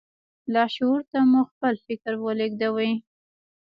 لاشعور ته مو خپل فکر ولېږدوئ.